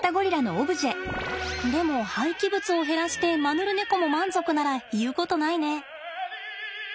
でも廃棄物を減らしてマヌルネコも満足ならいうことないね。